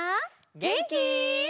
げんき？